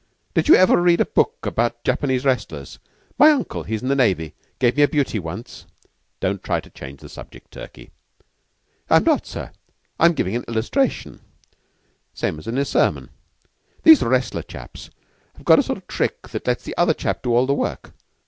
Did you ever read a book about Japanese wrestlers? My uncle he's in the Navy gave me a beauty once." "Don't try to change the subject, Turkey." "I'm not, sir. I'm givin' an illustration same as a sermon. These wrestler chaps have got sort sort of trick that lets the other chap do all the work.